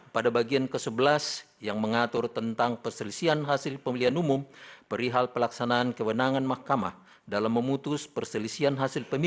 pada bagian ke sebelas yang mengatur tentang perselisian hasil pemilihan umum perihal pelaksanaan kewenangan mahkamah